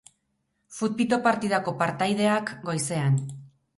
Futbito partidako partaideak, goizean.